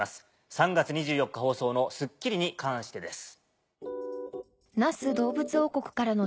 ３月２４日放送の『スッキリ』に関してです。